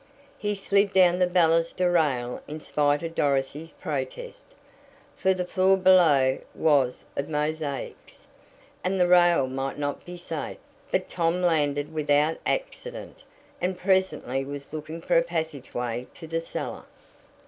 He slid down the baluster rail in spite of Dorothy's protest, for the floor below was of mosaics, and the rail might not be safe. But Tom landed without accident, and presently was looking for a passageway to the cellar.